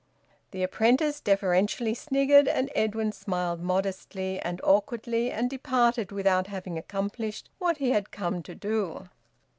The apprentice deferentially sniggered, and Edwin smiled modestly and awkwardly and departed without having accomplished what he had come to do.